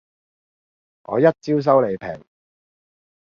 我一招收你皮